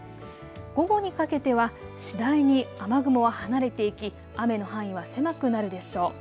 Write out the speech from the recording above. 午後にかけては次第に雨雲は離れていき、雨の範囲は狭くなるでしょう。